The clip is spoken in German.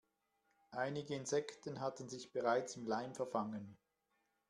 Einige Insekten hatten sich bereits im Leim verfangen.